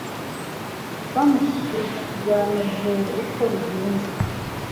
Bamushiganuje ukwo bigenze